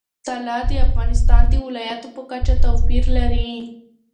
طلا د افغانستان د ولایاتو په کچه توپیر لري.